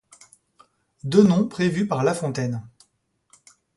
Deux noms prévus par La Fontaine.